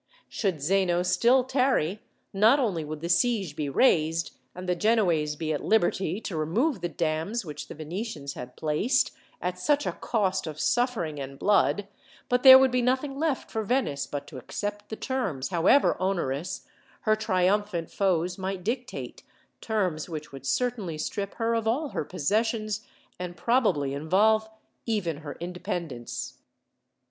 Should Zeno still tarry, not only would the siege be raised, and the Genoese be at liberty to remove the dams which the Venetians had placed, at such a cost of suffering and blood; but there would be nothing left for Venice but to accept the terms, however onerous, her triumphant foes might dictate, terms which would certainly strip her of all her possessions, and probably involve even her independence.